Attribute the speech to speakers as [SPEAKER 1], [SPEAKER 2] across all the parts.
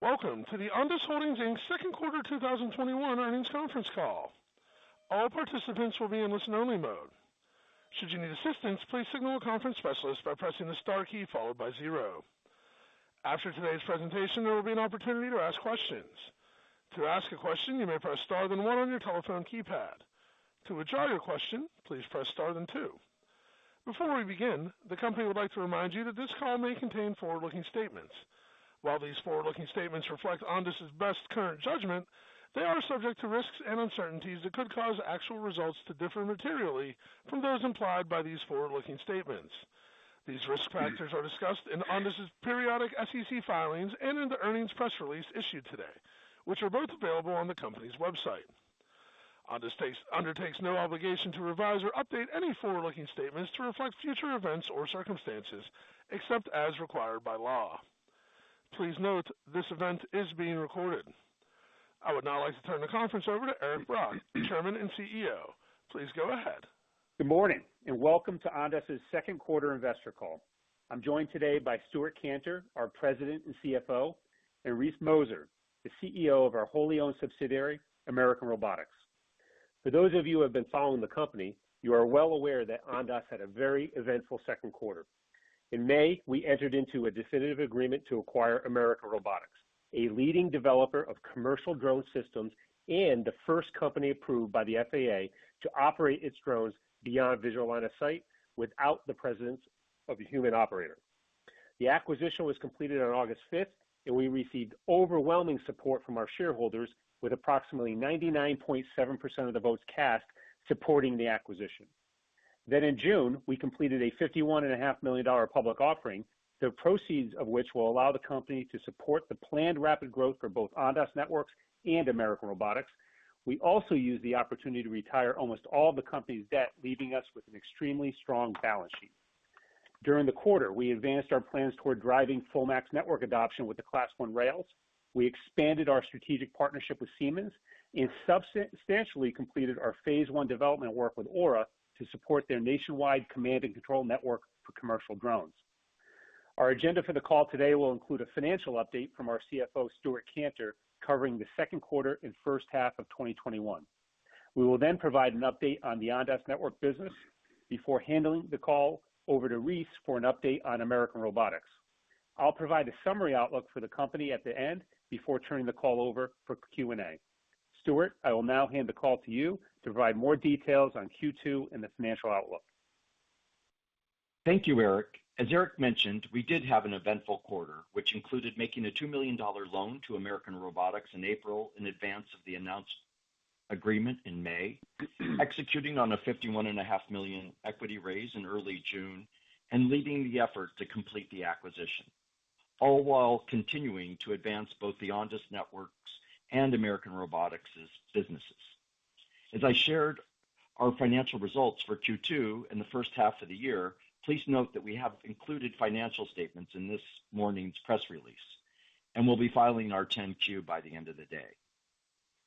[SPEAKER 1] Welcome to the Ondas Holdings Inc.'s second quarter 2021 earnings conference call. Before we begin, the company would like to remind you that this call may contain forward-looking statements. While these forward-looking statements reflect Ondas' best current judgment, they are subject to risks and uncertainties that could cause actual results to differ materially from those implied by these forward-looking statements. These risk factors are discussed in Ondas' periodic SEC filings and in the earnings press release issued today, which are both available on the company's website. Ondas undertakes no obligation to revise or update any forward-looking statements to reflect future events or circumstances, except as required by law. Please note this event is being recorded. I would now like to turn the conference over to Eric Brock, Chairman and CEO. Please go ahead.
[SPEAKER 2] Good morning, welcome to Ondas' second quarter investor call. I'm joined today by Stewart Kantor, our President and CFO, and Reese Mozer, the CEO of our wholly owned subsidiary, American Robotics. For those of you who have been following the company, you are well aware that Ondas had a very eventful second quarter. In May, we entered into a definitive agreement to acquire American Robotics, a leading developer of commercial drone systems and the first company approved by the FAA to operate its drones beyond visual line of sight without the presence of a human operator. The acquisition was completed on August 5th, and we received overwhelming support from our shareholders with approximately 99.7% of the votes cast supporting the acquisition. In June, we completed a $51.5 million public offering, the proceeds of which will allow the company to support the planned rapid growth for both Ondas Networks and American Robotics. We also used the opportunity to retire almost all the company's debt, leaving us with an extremely strong balance sheet. During the quarter, we advanced our plans toward driving FullMAX network adoption with the Class I rails. We expanded our strategic partnership with Siemens, and substantially completed our phase I development work with AURA Networks to support their nationwide command and control network for commercial drones. Our agenda for the call today will include a financial update from our CFO, Stewart Kantor, covering the second quarter and first half of 2021. We will provide an update on the Ondas Networks business before handing the call over to Reese for an update on American Robotics. I'll provide a summary outlook for the company at the end before turning the call over for Q&A. Stewart, I will now hand the call to you to provide more details on Q2 and the financial outlook.
[SPEAKER 3] Thank you, Eric. As Eric mentioned, we did have an eventful quarter, which included making a $2 million loan to American Robotics in April in advance of the announced agreement in May, executing on a $51.5 million equity raise in early June, and leading the effort to complete the acquisition, all while continuing to advance both the Ondas Networks and American Robotics' businesses. As I shared our financial results for Q2 and the first half of the year, please note that we have included financial statements in this morning's press release, and we'll be filing our 10-Q by the end of the day.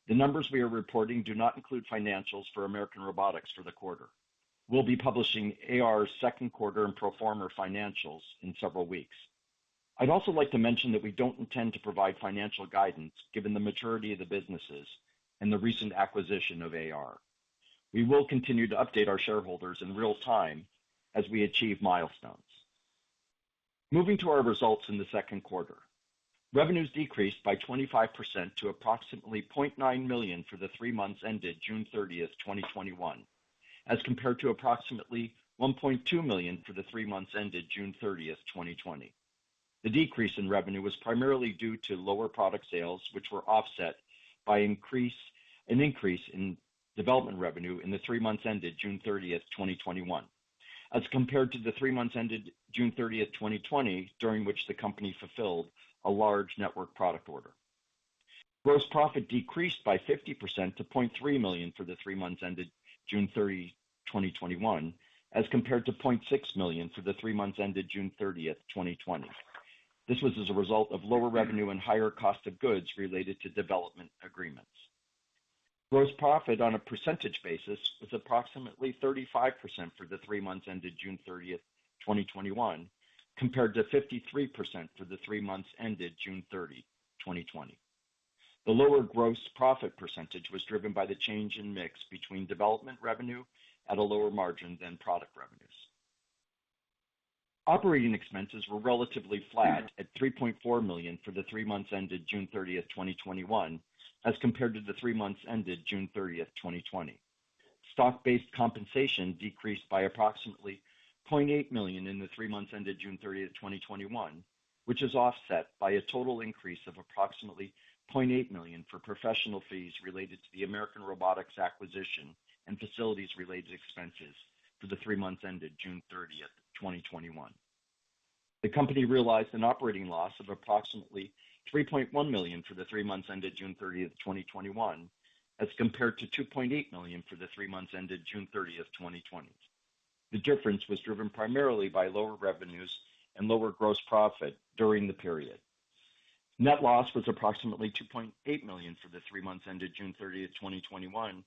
[SPEAKER 3] The numbers we are reporting do not include financials for American Robotics for the quarter. We'll be publishing AR's second quarter and pro forma financials in several weeks. I'd also like to mention that we don't intend to provide financial guidance given the maturity of the businesses and the recent acquisition of AR. We will continue to update our shareholders in real time as we achieve milestones. Moving to our results in the second quarter. Revenues decreased by 25% to approximately $0.9 million for the three months ended June 30th, 2021, as compared to approximately $1.2 million for the three months ended June 30th, 2020. The decrease in revenue was primarily due to lower product sales, which were offset by an increase in development revenue in the three months ended June 30th, 2021, as compared to the three months ended June 30th, 2020, during which the company fulfilled a large network product order. Gross profit decreased by 50% to $0.3 million for the three months ended June 30th, 2021, as compared to $0.6 million for the three months ended June 30th, 2020. This was as a result of lower revenue and higher cost of goods related to development agreements. Gross profit on a percentage basis was approximately 35% for the three months ended June 30th, 2021, compared to 53% for the three months ended June 30th, 2020. The lower gross profit percentage was driven by the change in mix between development revenue at a lower margin than product revenues. Operating expenses were relatively flat at $3.4 million for the three months ended June 30th, 2021, as compared to the three months ended June 30th, 2020. Stock-based compensation decreased by approximately $0.8 million in the three months ended June 30th, 2021, which is offset by a total increase of approximately $0.8 million for professional fees related to the American Robotics acquisition and facilities-related expenses for the three months ended June 30th, 2021. The company realized an operating loss of approximately $3.1 million for the three months ended June 30th, 2021, as compared to $2.8 million for the three months ended June 30th, 2020. The difference was driven primarily by lower revenues and lower gross profit during the period. Net loss was approximately $2.8 million for the three months ended June 30th, 2021,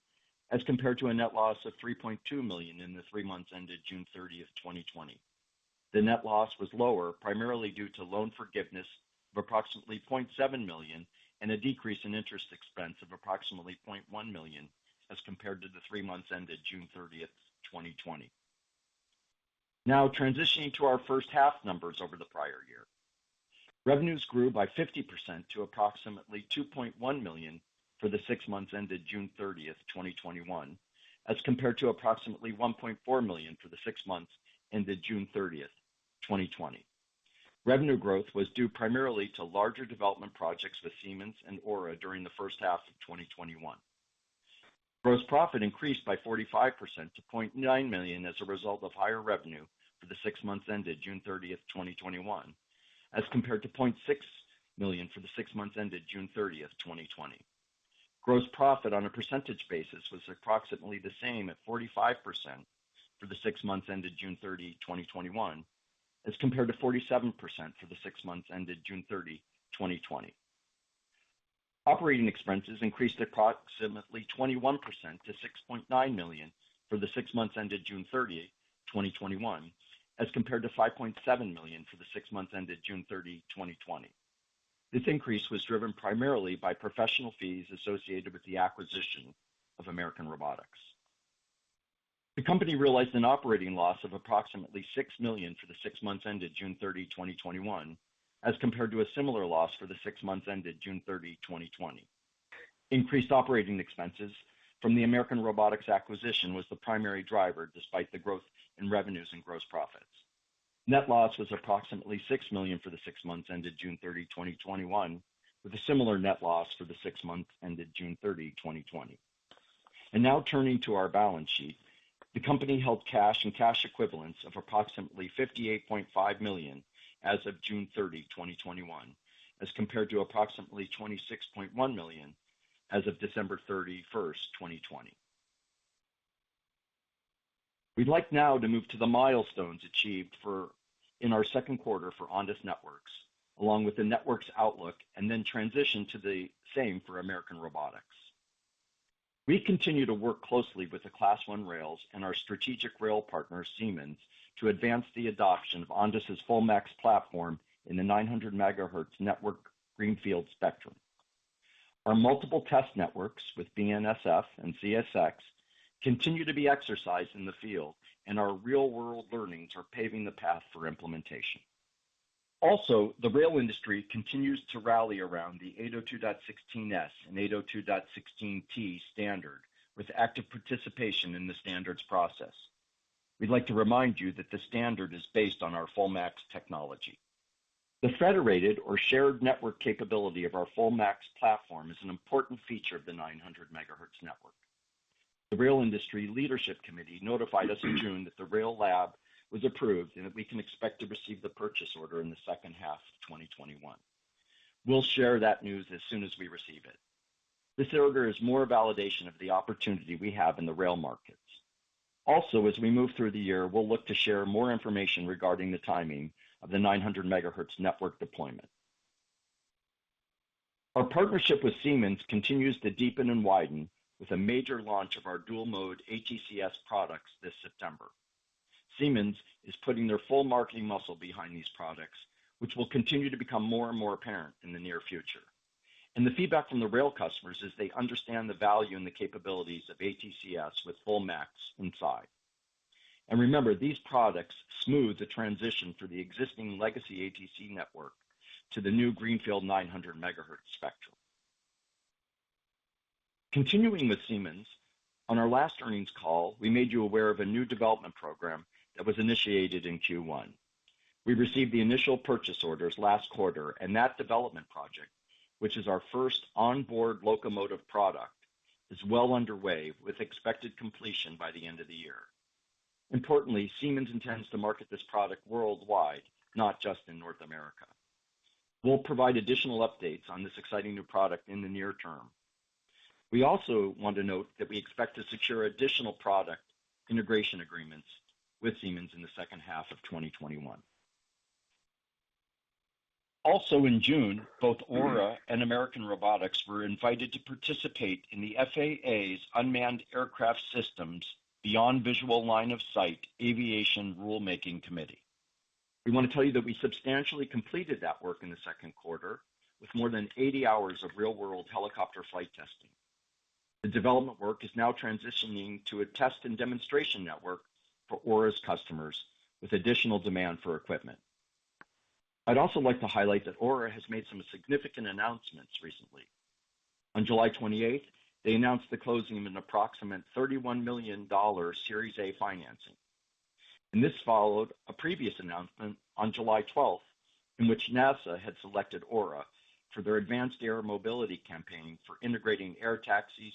[SPEAKER 3] as compared to a net loss of $3.2 million in the three months ended June 30th, 2020. The net loss was lower, primarily due to loan forgiveness of approximately $0.7 million and a decrease in interest expense of approximately $0.1 million, as compared to the three months ended June 30, 2020. Transitioning to our first half numbers over the prior year. Revenues grew by 50% to approximately $2.1 million for the six months ended June 30, 2021, as compared to approximately $1.4 million for the six months ended June 30, 2020. Revenue growth was due primarily to larger development projects with Siemens and AURA during the first half of 2021. Gross profit increased by 45% to $0.9 million as a result of higher revenue for the six months ended June 30, 2021, as compared to $0.6 million for the six months ended June 30, 2020. Gross profit on a percentage basis was approximately the same at 45% for the six months ended June 30th, 2021, as compared to 47% for the six months ended June 30th, 2020. Operating expenses increased approximately 21% to $6.9 million for the six months ended June 30th, 2021, as compared to $5.7 million for the six months ended June 30th, 2020. This increase was driven primarily by professional fees associated with the acquisition of American Robotics. The company realized an operating loss of approximately $6 million for the six months ended June 30th, 2021, as compared to a similar loss for the six months ended June 30th, 2020. Increased operating expenses from the American Robotics acquisition was the primary driver, despite the growth in revenues and gross profits. Net loss was approximately $6 million for the six months ended June 30th, 2021, with a similar net loss for the six months ended June 30th, 2020. Now turning to our balance sheet. The company held cash and cash equivalents of approximately $58.5 million as of June 30th, 2021, as compared to approximately $26.1 million as of December 31st, 2020. We'd like now to move to the milestones achieved in our second quarter for Ondas Networks, along with the network's outlook, and then transition to the same for American Robotics. We continue to work closely with the Class I rail and our strategic rail partner, Siemens, to advance the adoption of Ondas' FullMAX platform in the 900 MHz network greenfield spectrum. Our multiple test networks with BNSF and CSX continue to be exercised in the field. Our real-world learnings are paving the path for implementation. The rail industry continues to rally around the 802.16s and 802.16p standard with active participation in the standards process. We'd like to remind you that the standard is based on our FullMAX technology. The federated or shared network capability of our FullMAX platform is an important feature of the 900 MHz network. The Rail Industry Leadership Committee notified us in June that the rail lab was approved and that we can expect to receive the purchase order in the second half of 2021. We'll share that news as soon as we receive it. This order is more validation of the opportunity we have in the rail markets. As we move through the year, we'll look to share more information regarding the timing of the 900 MHz network deployment. Our partnership with Siemens continues to deepen and widen with a major launch of our dual-mode ATCS products this September. Siemens is putting their full marketing muscle behind these products, which will continue to become more and more apparent in the near future. The feedback from the rail customers is they understand the value and the capabilities of ATCS with FullMAX inside. Remember, these products smooth the transition for the existing legacy ATC network to the new greenfield 900 MHz spectrum. Continuing with Siemens, on our last earnings call, we made you aware of a new development program that was initiated in Q1. We received the initial purchase orders last quarter, and that development project, which is our first onboard locomotive product, is well underway, with expected completion by the end of the year. Importantly, Siemens intends to market this product worldwide, not just in North America. We'll provide additional updates on this exciting new product in the near term. We also want to note that we expect to secure additional product integration agreements with Siemens in the second half of 2021. Also in June, both AURA and American Robotics were invited to participate in the FAA's Unmanned Aircraft Systems Beyond Visual Line of Sight Aviation Rulemaking Committee. We want to tell you that we substantially completed that work in the second quarter with more than 80 hours of real-world helicopter flight testing. The development work is now transitioning to a test and demonstration network for AURA's customers with additional demand for equipment. I'd also like to highlight that AURA has made some significant announcements recently. On July 28th, they announced the closing of an approximate $31 million Series A financing. This followed a previous announcement on July 12th, in which NASA had selected AURA for their advanced air mobility campaign for integrating air taxis,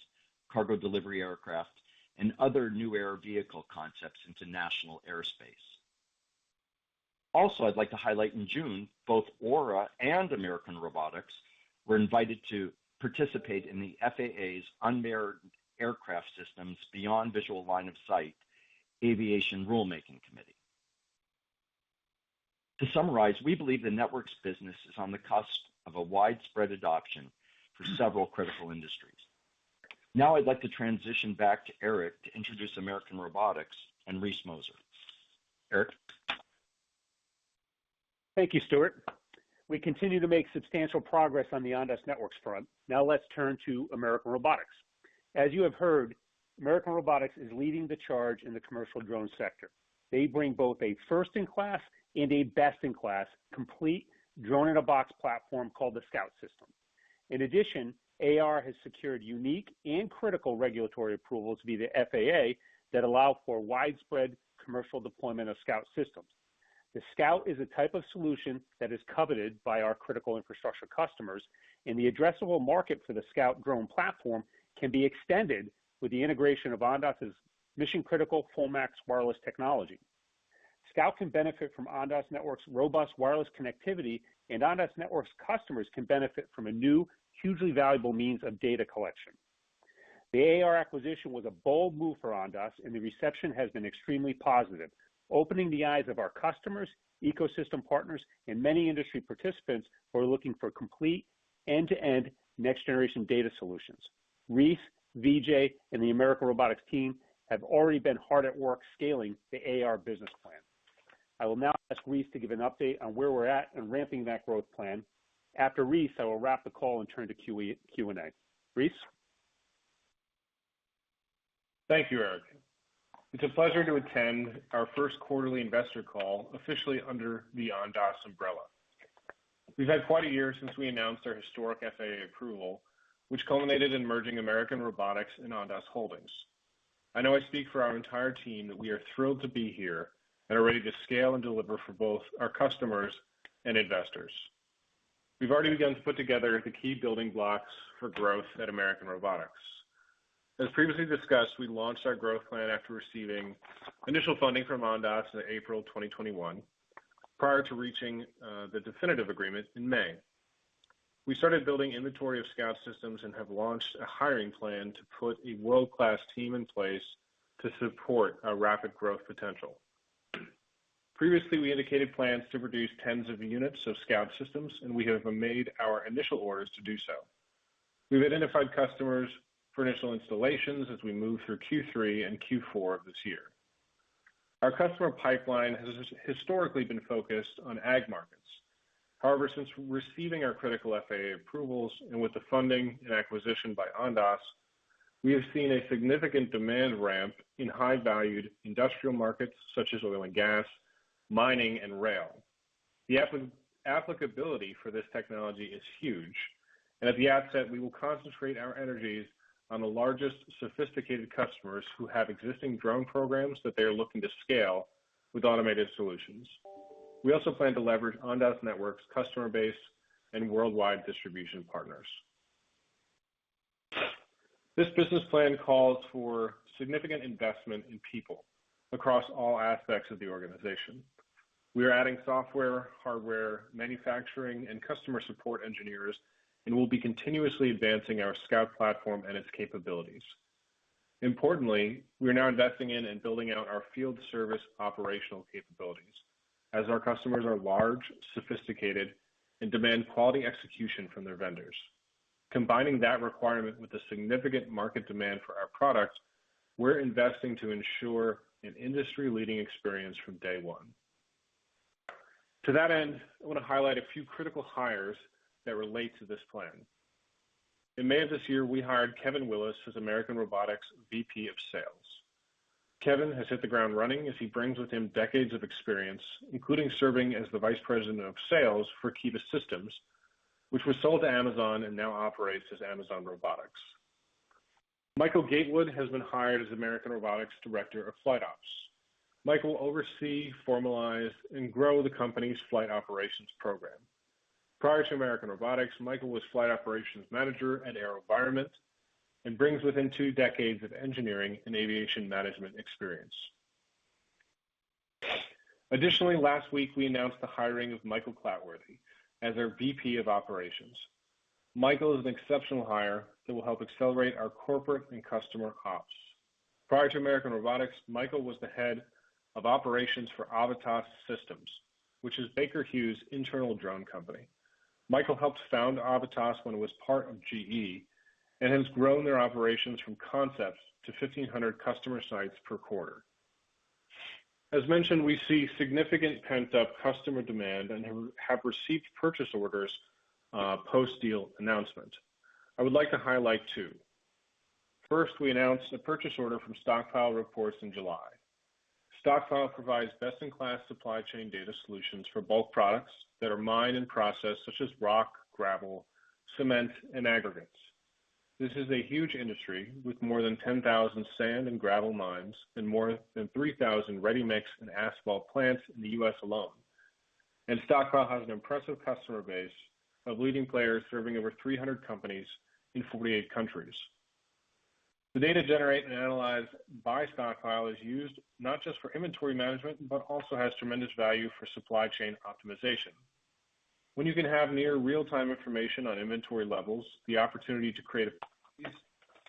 [SPEAKER 3] cargo delivery aircraft, and other new air vehicle concepts into national airspace. Also, I'd like to highlight in June, both AURA and American Robotics were invited to participate in the FAA's Unmanned Aircraft Systems Beyond Visual Line of Sight Aviation Rulemaking Committee. To summarize, we believe the networks business is on the cusp of a widespread adoption for several critical industries. I'd like to transition back to Eric to introduce American Robotics and Reese Mozer. Eric?
[SPEAKER 2] Thank you, Stewart. We continue to make substantial progress on the Ondas Networks front. Let's turn to American Robotics. As you have heard, American Robotics is leading the charge in the commercial drone sector. They bring both a first-in-class and a best-in-class complete drone-in-a-box platform called the Scout System. AR has secured unique and critical regulatory approvals via the FAA that allow for widespread commercial deployment of Scout Systems. The Scout is a type of solution that is coveted by our critical infrastructure customers, the addressable market for the Scout drone platform can be extended with the integration of Ondas' mission-critical FullMAX wireless technology. Scout can benefit from Ondas Networks' robust wireless connectivity, Ondas Networks customers can benefit from a new, hugely valuable means of data collection. The AR acquisition was a bold move for Ondas, the reception has been extremely positive. Opening the eyes of our customers, ecosystem partners, and many industry participants who are looking for complete end-to-end next-generation data solutions. Reese, Vijay, and the American Robotics team have already been hard at work scaling the AR business plan. I will now ask Reese to give an update on where we're at in ramping that growth plan. After Reese, I will wrap the call and turn to Q&A. Reese?
[SPEAKER 4] Thank you, Eric. It's a pleasure to attend our first quarterly investor call officially under the Ondas umbrella. We've had quite a year since we announced our historic FAA approval, which culminated in merging American Robotics and Ondas Holdings. I know I speak for our entire team that we are thrilled to be here and are ready to scale and deliver for both our customers and investors. We've already begun to put together the key building blocks for growth at American Robotics. As previously discussed, we launched our growth plan after receiving initial funding from Ondas in April 2021, prior to reaching the definitive agreement in May. We started building inventory of Scout System and have launched a hiring plan to put a world-class team in place to support our rapid growth potential. Previously, we indicated plans to produce tens of units of Scout systems. We have made our initial orders to do so. We've identified customers for initial installations as we move through Q3 and Q4 of this year. Our customer pipeline has historically been focused on ag markets. Since receiving our critical FAA approvals and with the funding and acquisition by Ondas, we have seen a significant demand ramp in high-valued industrial markets such as oil and gas, mining, and rail. The applicability for this technology is huge. At the outset, we will concentrate our energies on the largest sophisticated customers who have existing drone programs that they are looking to scale with automated solutions. We also plan to leverage Ondas Networks' customer base and worldwide distribution partners. This business plan calls for significant investment in people across all aspects of the organization. We are adding software, hardware, manufacturing, and customer support engineers, and we'll be continuously advancing our Scout platform and its capabilities. Importantly, we are now investing in and building out our field service operational capabilities as our customers are large, sophisticated, and demand quality execution from their vendors. Combining that requirement with the significant market demand for our product, we're investing to ensure an industry-leading experience from day one. To that end, I want to highlight a few critical hires that relate to this plan. In May of this year, we hired Kevin Willis as American Robotics VP of Sales. Kevin has hit the ground running as he brings with him decades of experience, including serving as the vice president of sales for Kiva Systems, which was sold to Amazon and now operates as Amazon Robotics. Michael Gatewood has been hired as American Robotics Director of Flight Ops. Michael Gatewood will oversee, formalize, and grow the company's flight operations program. Prior to American Robotics, Michael Gatewood was flight operations manager at AeroVironment and brings with him two decades of engineering and aviation management experience. Additionally, last week, we announced the hiring of Michael Clatworthy as our VP of operations. Michael Clatworthy is an exceptional hire that will help accelerate our corporate and customer ops. Prior to American Robotics, Michael Clatworthy was the head of operations for Avitas Systems, which is Baker Hughes' internal drone company. Michael Clatworthy helped found Avitas when it was part of GE and has grown their operations from concepts to 1,500 customer sites per quarter. As mentioned, we see significant pent-up customer demand and have received purchase orders post-deal announcement. I would like to highlight two. First, we announced a purchase order from Stockpile Reports in July. Stockpile provides best-in-class supply chain data solutions for bulk products that are mined and processed, such as rock, gravel, cement, and aggregates. This is a huge industry with more than 10,000 sand and gravel mines and more than 3,000 ready-mix and asphalt plants in the U.S. alone. Stockpile has an impressive customer base of leading players serving over 300 companies in 48 countries. The data generated and analyzed by Stockpile is used not just for inventory management, but also has tremendous value for supply chain optimization. When you can have near real-time information on inventory levels, the opportunity to create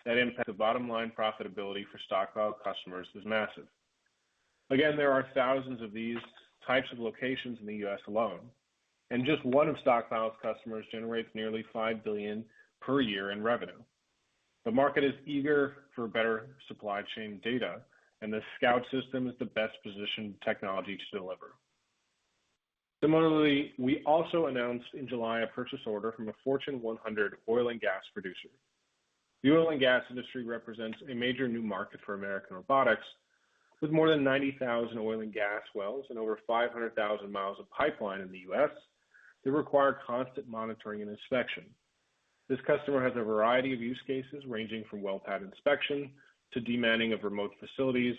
[SPEAKER 4] that impact the bottom line profitability for Stockpile customers is massive. Again, there are thousands of these types of locations in the U.S. alone, and just one of Stockpile's customers generates nearly $5 billion per year in revenue. The market is eager for better supply chain data, and the Scout System is the best-positioned technology to deliver. Similarly, we also announced in July an initial purchase order from a Fortune 100 oil and gas producer. The oil and gas industry represents a major new market for American Robotics, with more than 90,000 oil and gas wells and over 500,000 mi of pipeline in the U.S. that require constant monitoring and inspection. This customer has a variety of use cases, ranging from well pad inspection to monitoring of remote facilities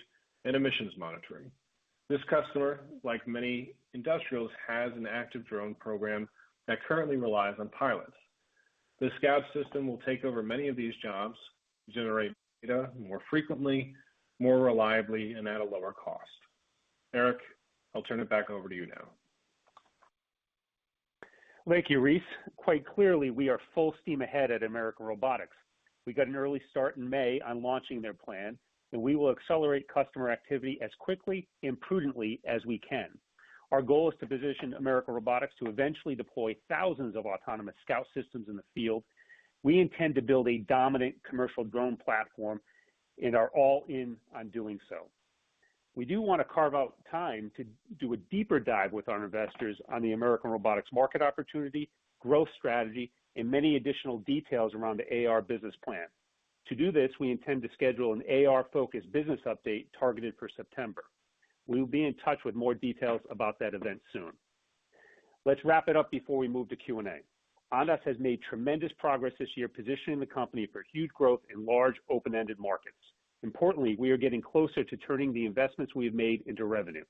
[SPEAKER 4] and emissions monitoring. This customer, like many industrials, has an active drone program that currently relies on pilots. The Scout System will take over many of these jobs, generate data more frequently, more reliably, and at a lower cost. Eric, I'll turn it back over to you now.
[SPEAKER 2] Thank you, Reese. Quite clearly, we are full steam ahead at American Robotics. We got an early start in May on launching their plan, and we will accelerate customer activity as quickly and prudently as we can. Our goal is to position American Robotics to eventually deploy thousands of autonomous Scout Systems in the field. We intend to build a dominant commercial drone platform and are all in on doing so. We do want to carve out time to do a deeper dive with our investors on the American Robotics market opportunity, growth strategy, and many additional details around the AR business plan. To do this, we intend to schedule an AR-focused business update targeted for September. We will be in touch with more details about that event soon. Let's wrap it up before we move to Q&A. Ondas has made tremendous progress this year, positioning the company for huge growth in large, open-ended markets. Importantly, we are getting closer to turning the investments we have made into revenue.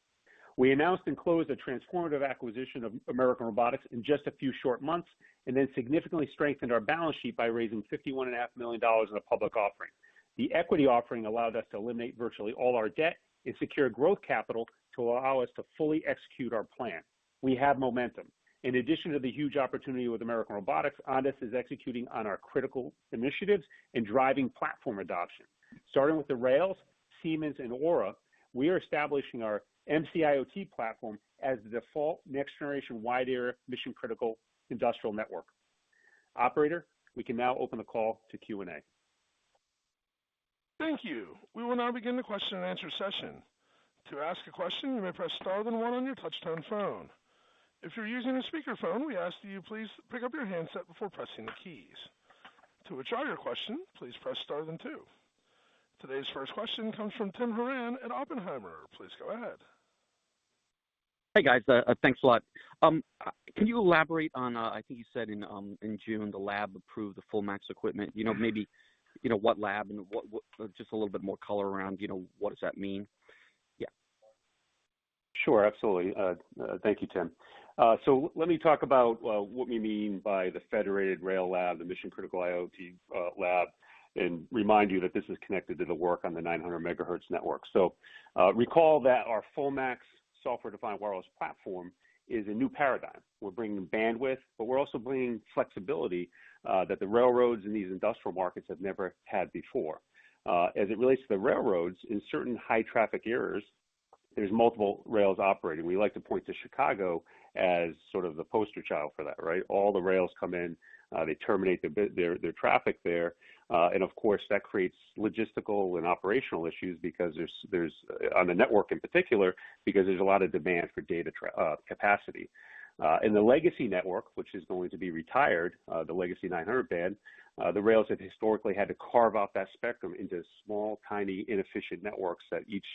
[SPEAKER 2] We announced and closed the transformative acquisition of American Robotics in just a few short months, and then significantly strengthened our balance sheet by raising $51.5 million in a public offering. The equity offering allowed us to eliminate virtually all our debt and secure growth capital to allow us to fully execute our plan. We have momentum. In addition to the huge opportunity with American Robotics, Ondas is executing on our critical initiatives and driving platform adoption. Starting with the rails, Siemens, and AURA, we are establishing our MC-IoT platform as the default next-generation wide-area mission-critical industrial network. Operator, we can now open the call to Q&A.
[SPEAKER 1] Thank you. We will now begin the question-and-answer session. To ask a question, you may press star then one on your touch-tone phone. If you're using a speakerphone, we ask that you please pick up your handset before pressing the keys. To withdraw your question, please press star then two. Today's first question comes from Tim Horan at Oppenheimer. Please go ahead.
[SPEAKER 5] Hey, guys. Thanks a lot. Can you elaborate on, I think you said in June, the lab approved the FullMAX equipment? Maybe what lab and just a little bit more color around what does that mean?
[SPEAKER 2] Sure, absolutely. Thank you, Tim. Let me talk about what we mean by the federated rail lab, the mission-critical IoT lab, and remind you that this is connected to the work on the 900 MHz network. Recall that our FullMAX software-defined wireless platform is a new paradigm. We're bringing bandwidth, but we're also bringing flexibility that the railroads in these industrial markets have never had before. As it relates to the railroads, in certain high traffic areas, there's multiple rails operating. We like to point to Chicago as sort of the poster child for that, right? All the rails come in, they terminate their traffic there, and of course, that creates logistical and operational issues on the network in particular, because there's a lot of demand for data capacity. In the legacy network, which is going to be retired, the legacy 900 MHz, the rails have historically had to carve out that spectrum into small, tiny, inefficient networks that each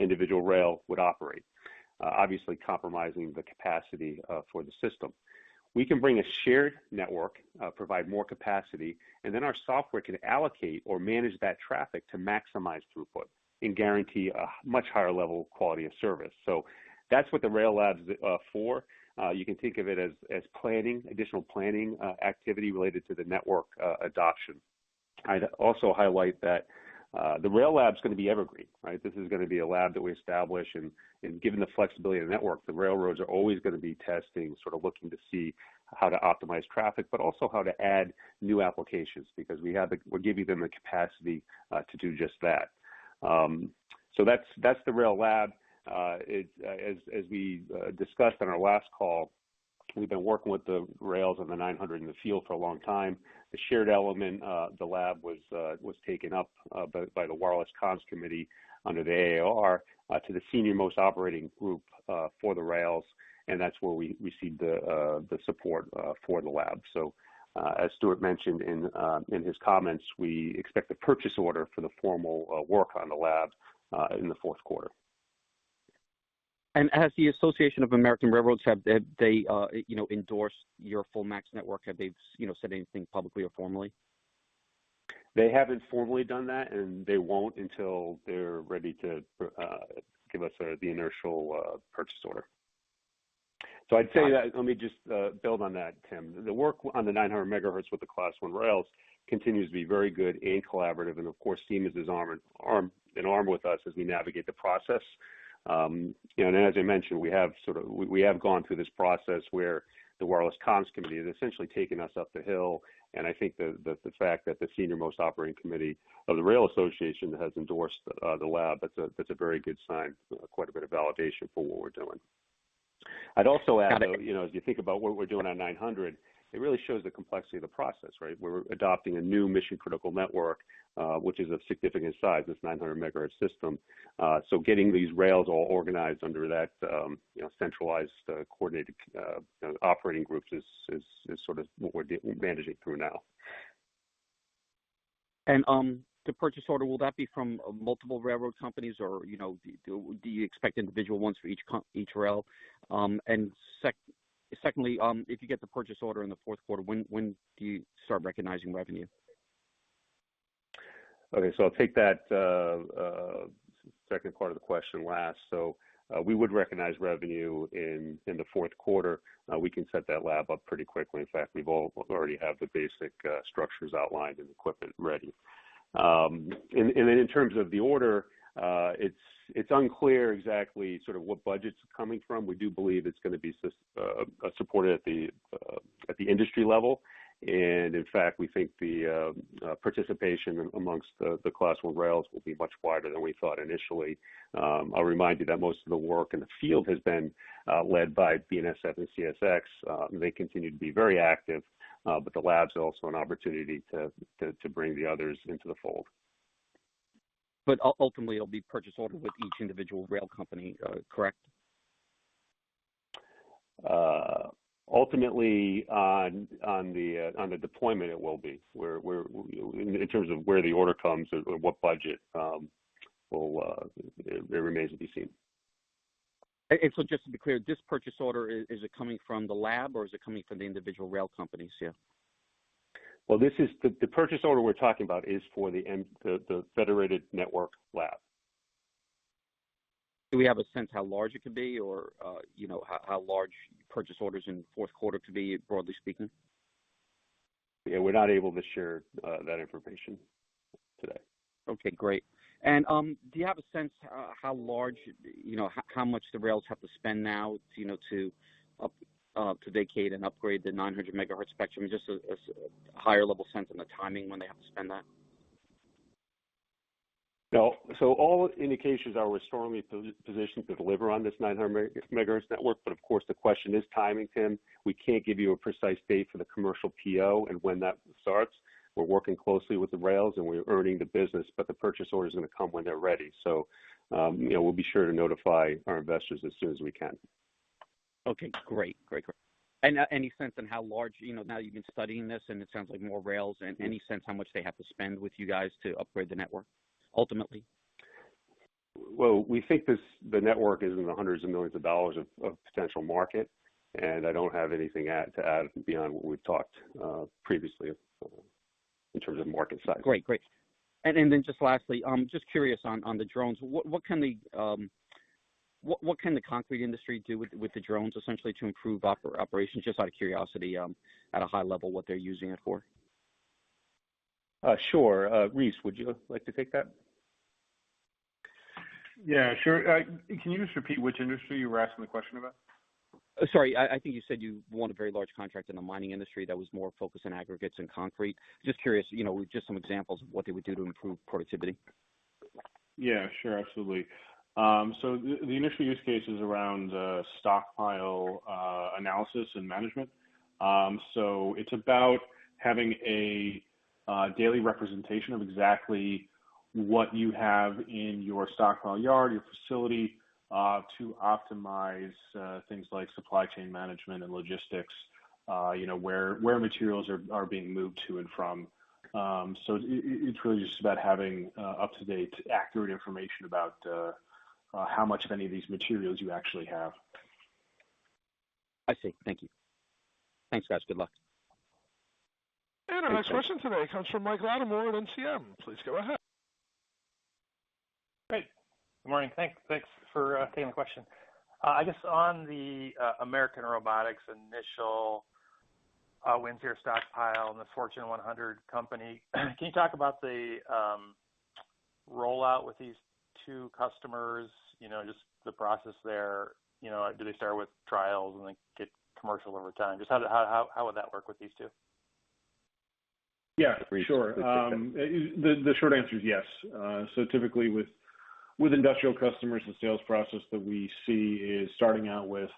[SPEAKER 2] individual rail would operate, obviously compromising the capacity for the system. We can bring a shared network, provide more capacity, and then our software can allocate or manage that traffic to maximize throughput and guarantee a much higher level of quality of service. That's what the rail lab is for. You can think of it as additional planning activity related to the network adoption. I'd also highlight that the rail lab's going to be evergreen, right? This is going to be a lab that we establish, and given the flexibility of the network, the railroads are always going to be testing, sort of looking to see how to optimize traffic, but also how to add new applications, because we're giving them the capacity to do just that. That's the rail lab. As we discussed on our last call, we've been working with the rails on the 900 MHz in the field for a long time. The shared element of the lab was taken up by the Wireless Communications Committee under the AAR to the senior-most operating group for the rails, and that's where we received the support for the lab. As Stewart mentioned in his comments, we expect a purchase order for the formal work on the lab in the fourth quarter.
[SPEAKER 5] Has the Association of American Railroads, have they endorsed your FullMAX network? Have they said anything publicly or formally?
[SPEAKER 2] They haven't formally done that, and they won't until they're ready to give us the initial purchase order. I'd say that, let me just build on that, Tim. The work on the 900 MHz with the Class I rail continues to be very good and collaborative. Of course, Siemens is arm in arm with us as we navigate the process. As I mentioned, we have gone through this process where the Wireless Communications Committee has essentially taken us up the hill. I think that the fact that the senior-most operating committee of the Rail Association has endorsed the lab, that's a very good sign, quite a bit of validation for what we're doing. I'd also add, though, as you think about what we're doing on 900 MHz, it really shows the complexity of the process, right? We're adopting a new mission-critical network, which is of significant size, this 900 MHz system. Getting these rails all organized under that centralized, coordinated operating groups is sort of what we're managing through now.
[SPEAKER 5] The purchase order, will that be from multiple railroad companies? Do you expect individual ones for each rail? Secondly, if you get the purchase order in the fourth quarter, when do you start recognizing revenue?
[SPEAKER 2] Okay, I'll take that second part of the question last. We would recognize revenue in the fourth quarter. We can set that lab up pretty quickly. In fact, we've already have the basic structures outlined and equipment ready. Then in terms of the order, it's unclear exactly sort of what budget it's coming from. We do believe it's going to be supported at the industry level. In fact, we think the participation amongst the Class I rails will be much wider than we thought initially. I'll remind you that most of the work in the field has been led by BNSF and CSX. They continue to be very active, but the lab's also an opportunity to bring the others into the fold.
[SPEAKER 5] Ultimately, it'll be purchase order with each individual rail company, correct?
[SPEAKER 2] Ultimately, on the deployment, it will be. In terms of where the order comes or what budget, it remains to be seen.
[SPEAKER 5] Just to be clear, this purchase order, is it coming from the lab or is it coming from the individual rail companies here?
[SPEAKER 2] Well, the purchase order we're talking about is for the Federated network lab.
[SPEAKER 5] Do we have a sense how large it could be or how large initial purchase orders in the fourth quarter could be, broadly speaking?
[SPEAKER 2] Yeah, we're not able to share that information today.
[SPEAKER 5] Okay, great. Do you have a sense how much the rails have to spend now to vacate and upgrade the 900 MHz spectrum? Just a higher-level sense on the timing when they have to spend that.
[SPEAKER 2] All indications are we're strongly positioned to deliver on this 900 MHz network, but of course, the question is timing, Timothy. We can't give you a precise date for the commercial PO and when that starts. We're working closely with the rails, and we're earning the business, but the purchase order is going to come when they're ready. We'll be sure to notify our investors as soon as we can.
[SPEAKER 5] Okay, great. Any sense on how large, now you've been studying this, and it sounds like more rails, any sense how much they have to spend with you guys to upgrade the network, ultimately?
[SPEAKER 2] Well, we think the network is in the hundreds of millions of dollars of potential market. I don't have anything to add beyond what we've talked previously in terms of market size.
[SPEAKER 5] Great. Just lastly, just curious on the drones. What can the concrete industry do with the drones, essentially, to improve operations? Just out of curiosity, at a high level, what they're using it for.
[SPEAKER 2] Sure. Reese, would you like to take that?
[SPEAKER 4] Yeah, sure. Can you just repeat which industry you were asking the question about?
[SPEAKER 5] Sorry. I think you said you won a very large contract in the mining industry that was more focused on aggregates and concrete. Just curious, just some examples of what they would do to improve productivity?
[SPEAKER 4] Yeah, sure. Absolutely. The initial use case is around stockpile analysis and management. It's about having a daily representation of exactly what you have in your stockpile yard, your facility, to optimize things like supply chain management and logistics, where materials are being moved to and from. It's really just about having up-to-date, accurate information about how much of any of these materials you actually have.
[SPEAKER 5] I see. Thank you. Thanks, guys. Good luck.
[SPEAKER 1] Our next question today comes from Mike Latimore at NCM. Please go ahead.
[SPEAKER 6] Great. Good morning. Thanks for taking the question. I guess on the American Robotics initial winter stockpile and the Fortune 100 company, can you talk about the rollout with these two customers? Just the process there. Do they start with trials and then get commercial over time? Just how would that work with these two?
[SPEAKER 3] Yeah, sure. The short answer is yes. Typically, with industrial customers, the sales process that we see is starting out with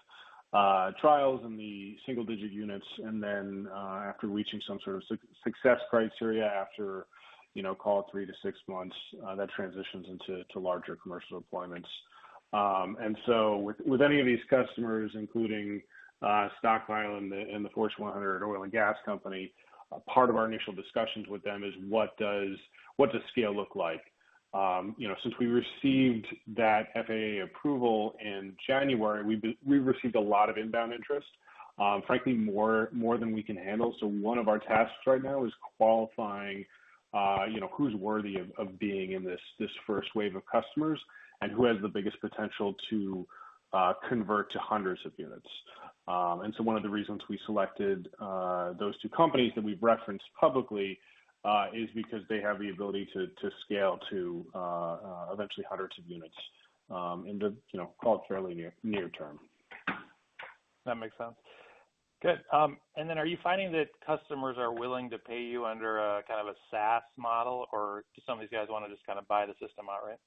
[SPEAKER 3] trials in the single-digit units, and then, after reaching some sort of success criteria after, call it three to six months, that transitions into larger commercial deployments. With any of these customers, including Stockpile and the Fortune 100 oil and gas company, part of our initial discussions with them is what does scale look like? Since we received that FAA approval in January, we've received a lot of inbound interest. Frankly, more than we can handle. One of our tasks right now is qualifying who's worthy of being in this first wave of customers and who has the biggest potential to convert to hundreds of units. One of the reasons we selected those two companies that we've referenced publicly is because they have the ability to scale to eventually hundreds of units in the culturally near-term.
[SPEAKER 6] That makes sense. Good. Are you finding that customers are willing to pay you under a kind of a SaaS model, or do some of these guys want to just kind of buy the system outright?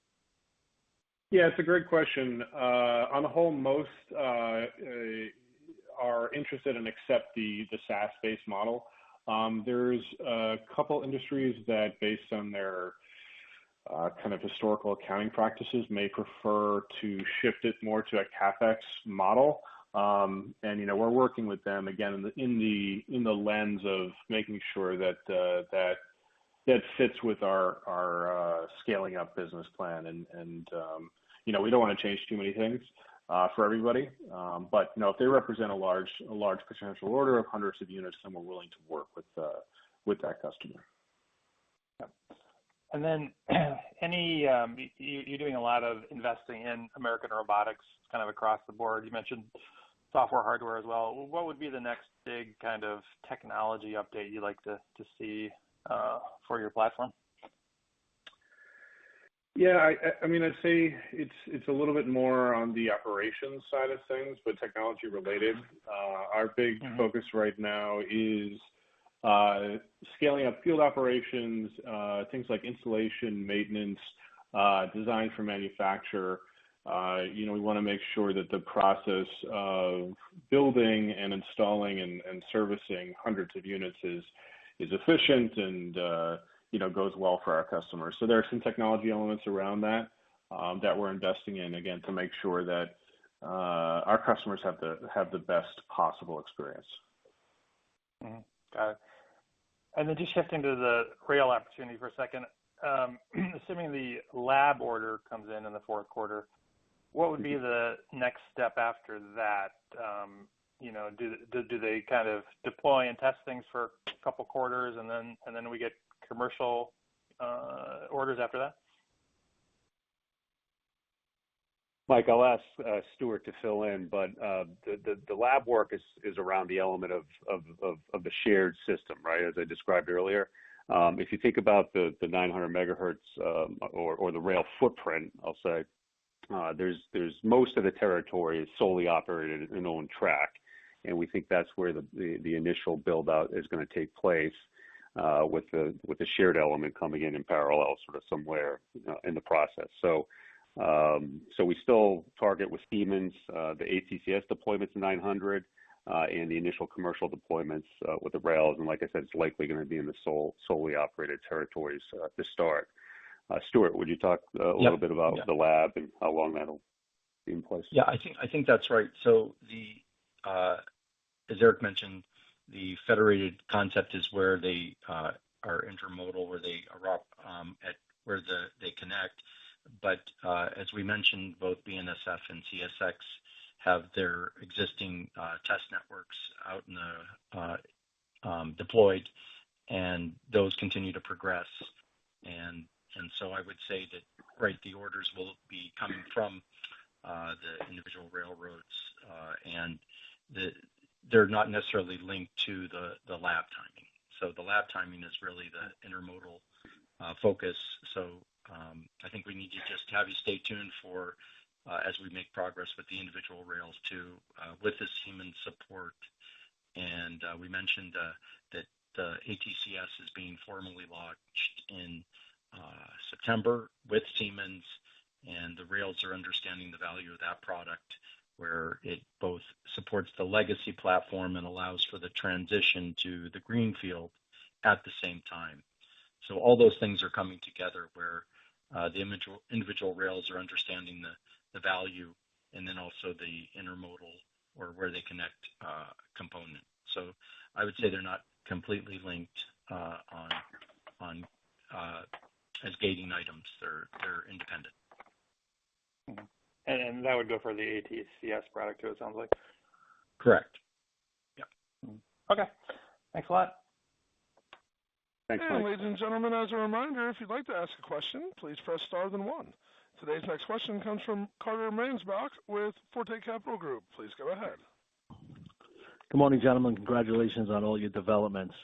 [SPEAKER 4] Yeah, it's a great question. On a whole, most are interested and accept the SaaS-based model. There's a couple industries that based on their kind of historical accounting practices, may prefer to shift it more to a CapEx model. We're working with them, again, in the lens of making sure that that fits with our scaling up business plan. We don't want to change too many things for everybody. If they represent a large potential order of hundreds of units, then we're willing to work with that customer.
[SPEAKER 6] Yeah. Then you're doing a lot of investing in American Robotics, kind of across the board. You mentioned software, hardware as well. What would be the next big kind of technology update you'd like to see for your platform?
[SPEAKER 4] Yeah, I'd say it's a little bit more on the operations side of things, but technology related. Our big focus right now is scaling up field operations things like installation, maintenance, design for manufacture. We want to make sure that the process of building and installing and servicing hundreds of units is efficient and goes well for our customers. There are some technology elements around that we're investing in, again, to make sure that our customers have the best possible experience.
[SPEAKER 6] Got it. Just shifting to the rail opportunity for a second. Assuming the lab order comes in the fourth quarter, what would be the next step after that? Do they kind of deploy and test things for a couple quarters and then we get commercial orders after that?
[SPEAKER 2] Mike, I'll ask Stewart to fill in. The lab work is around the element of the shared system, as I described earlier. If you think about the 900 MHz, or the rail footprint, I'll say, most of the territory is solely operated and owned track. We think that's where the initial build-out is going to take place with the shared element coming in in parallel sort of somewhere in the process. We still target with Siemens the ATCS deployments in 900 MHz and the initial commercial deployments with the rails. Like I said, it's likely going to be in the solely operated territories to start. Stewart, would you talk a little bit about the lab and how long that'll be in place?
[SPEAKER 3] I think that's right. As Eric mentioned, the federated concept is where they are intermodal, where they connect. As we mentioned, both BNSF and CSX have their existing test networks out deployed and those continue to progress. I would say that, right, the orders will be coming from the individual railroads and they're not necessarily linked to the lab timing. The lab timing is really the intermodal focus. I think we need to just have you stay tuned as we make progress with the individual rails too with the Siemens support. We mentioned that ATCS is being formally launched in September with Siemens and the rails are understanding the value of that product, where it both supports the legacy platform and allows for the transition to the greenfield at the same time. All those things are coming together where the individual rails are understanding the value and then also the intermodal or where they connect component. I would say they're not completely linked as gating items. They're independent.
[SPEAKER 6] That would go for the ATCS product too, it sounds like?
[SPEAKER 3] Correct.
[SPEAKER 6] Yeah. Okay, thanks a lot.
[SPEAKER 2] Thanks, Mike.
[SPEAKER 1] Ladies and gentlemen, as a reminder, if you'd like to ask a question, please press star then one. Today's next question comes from Carter Mansbach with Forte Capital Group. Please go ahead.
[SPEAKER 7] Good morning, gentlemen. Congratulations on all your developments.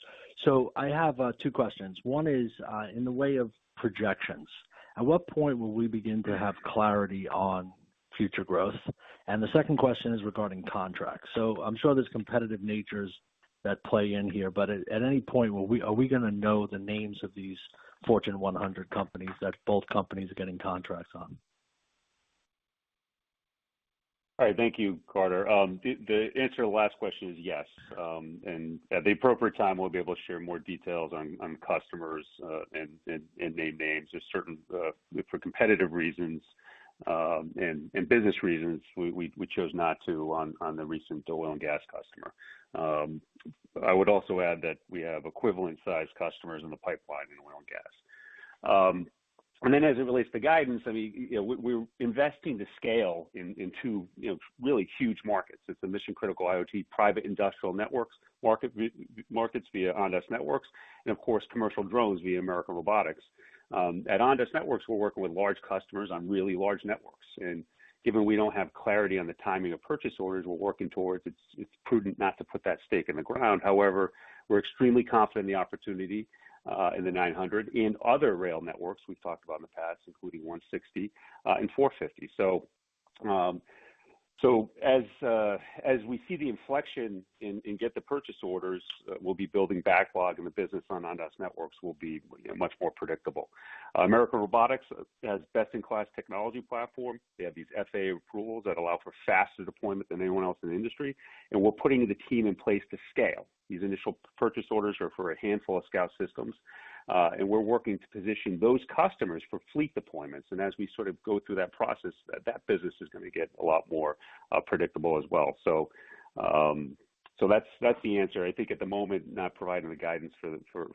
[SPEAKER 7] I have two questions. One is in the way of projections. At what point will we begin to have clarity on future growth? The second question is regarding contracts. I'm sure there's competitive natures that play in here, but at any point, are we going to know the names of these Fortune 100 companies that both companies are getting contracts on?
[SPEAKER 2] All right. Thank you, Carter. The answer to the last question is yes. At the appropriate time, we'll be able to share more details on customers and name names. For competitive reasons and business reasons, we chose not to on the recent oil and gas customer. I would also add that we have equivalent size customers in the pipeline in oil and gas. We're investing to scale in two really huge markets. It's the Mission-Critical IoT private industrial networks markets via Ondas Networks, and of course, commercial drones via American Robotics. At Ondas Networks, we're working with large customers on really large networks. Given we don't have clarity on the timing of purchase orders we're working towards, it's prudent not to put that stake in the ground. We're extremely confident in the opportunity in the 900 MHz and other rail networks we've talked about in the past, including 160 MHz and 450 MHz. As we see the inflection and get the purchase orders, we'll be building backlog, and the business on Ondas Networks will be much more predictable. American Robotics has best-in-class technology platform. They have these FAA approvals that allow for faster deployment than anyone else in the industry. We're putting the team in place to scale. These initial purchase orders are for a handful of Scout systems. We're working to position those customers for fleet deployments. As we sort of go through that process, that business is going to get a lot more predictable as well. That's the answer. I think at the moment, not providing the guidance for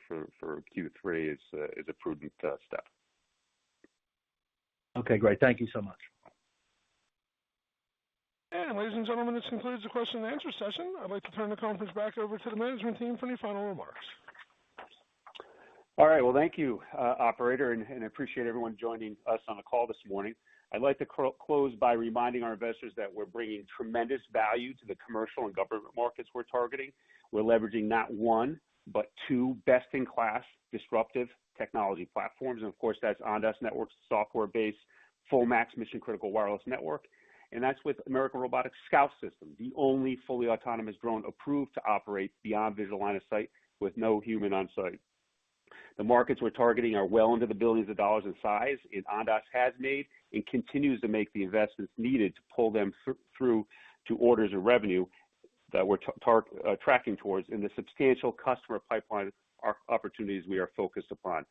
[SPEAKER 2] Q3 is a prudent step.
[SPEAKER 7] Okay, great. Thank you so much.
[SPEAKER 1] Ladies and gentlemen, this concludes the question-and-answer session. I'd like to turn the conference back over to the management team for any final remarks.
[SPEAKER 2] All right. Well, thank you, operator, and appreciate everyone joining us on the call this morning. I'd like to close by reminding our investors that we're bringing tremendous value to the commercial and government markets we're targeting. We're leveraging not one, but two best-in-class disruptive technology platforms. Of course, that's Ondas Networks software-based FullMAX mission-critical wireless network, and that's with American Robotics Scout System, the only fully autonomous drone approved to operate beyond visual line of sight with no human on-site. The markets we're targeting are well into the billions of dollars in size, and Ondas has made and continues to make the investments needed to pull them through to orders and revenue that we're tracking towards in the substantial customer pipeline opportunities we are focused upon.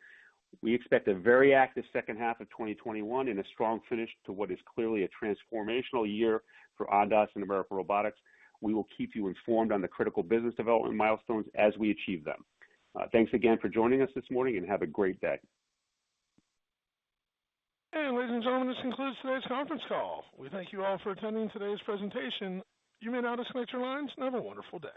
[SPEAKER 2] We expect a very active second half of 2021 and a strong finish to what is clearly a transformational year for Ondas and American Robotics. We will keep you informed on the critical business development milestones as we achieve them. Thanks again for joining us this morning, and have a great day.
[SPEAKER 1] Ladies and gentlemen, this concludes today's conference call. We thank you all for attending today's presentation. You may now disconnect your lines, and have a wonderful day.